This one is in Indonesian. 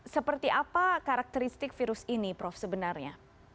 seperti apa karakteristik virus ini prof sebenarnya